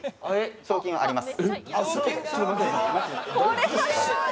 賞金はあります。